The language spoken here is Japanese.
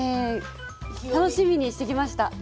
楽しみにしてきました。